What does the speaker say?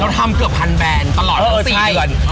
เราทำเกือบพันแบรนด์ตลอดเออเออสี่เดือนเออ